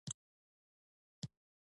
عمومي مالومات ښایي تاسو سره وي